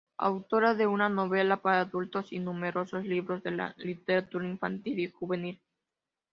Autora de una novela para adultos y numerosos libros de literatura infantil y juvenil.